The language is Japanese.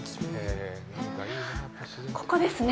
ここですね。